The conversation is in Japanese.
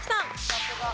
さすが。